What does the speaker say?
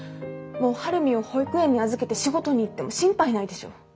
もう晴海を保育園に預けて仕事に行っても心配ないでしょう。